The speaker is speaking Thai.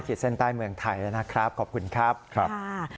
เส้นใต้เมืองไทยแล้วนะครับขอบคุณครับครับ